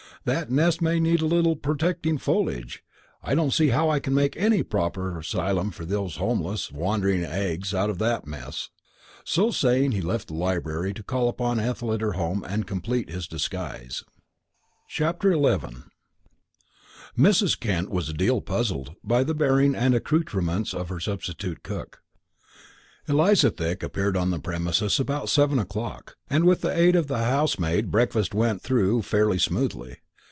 That nest may need a little protecting foliage. I don't see how I can make any kind of proper asylum for those homeless, wandering eggs out of that mess." So saying, he left the library to call upon Ethel at her home and complete his disguise. XI Mrs. Kent was a deal puzzled by the bearing and accoutrements of her substitute cook. Eliza Thick appeared on the premises about seven o'clock, and with the aid of the housemaid breakfast went through fairly smoothly.